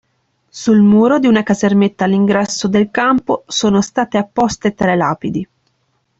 Sul muro di una casermetta all'ingresso del campo, sono state apposte tre lapidi.